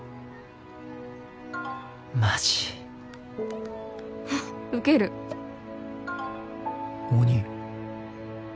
「マジ」「ウケる」「鬼」